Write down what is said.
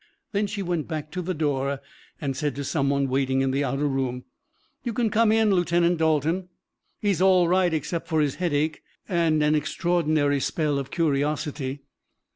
Then she went back to the door and said to some one waiting in the outer room: "You can come in, Lieutenant Dalton. He's all right except for his headache, and an extraordinary spell of curiosity."